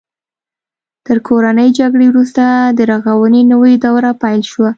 تر کورنۍ جګړې وروسته د رغونې نوې دوره پیل شوه.